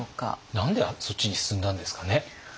何でそっちに進んだんですかね。